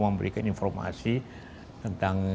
memberikan informasi tentang